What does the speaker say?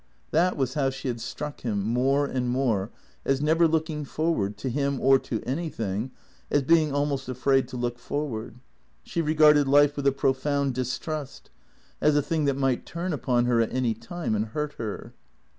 That was how she had struck him, more and more, as never look ing forward, to him or to anything, as being almost afraid to look forward. She regarded life with a profound distrust, as a thing that might turn upon her at any time and hurt her.